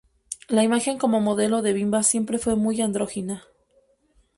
La imagen como modelo de Bimba siempre fue muy andrógina.